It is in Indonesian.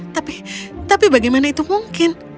tapi tapi bagaimana itu mungkin